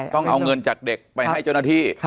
ต้องเอาเงินจากเด็กไปให้เจ้าหน้าที่